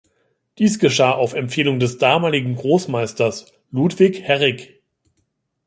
Dies geschah auf Empfehlung des damaligen Großmeisters, Ludwig Herrig.